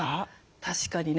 確かにね。